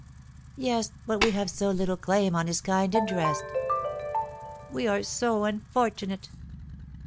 "Yes; but we have so little claim on his kind interest!" "We are so unfortunate!"